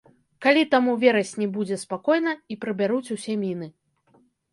Калі там у верасні будзе спакойна і прыбяруць усе міны.